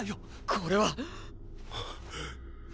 これは！